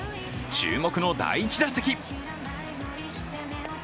注目の第１打席。